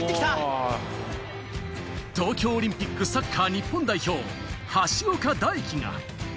東京オリンピックサッカー日本代表、橋岡大樹が。